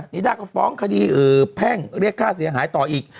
นิด้าก็ฟ้องคดีแพ่งเรียกค่าเสียหายต่ออีก